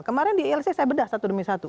kemarin di ilc saya bedah satu demi satu